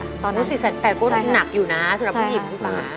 ๔๘๐๐๐๐บาทค่ะตอนนี้๔๘๐๐๐๐ก็หนักอยู่นะสำหรับผู้หญิงคือเปล่า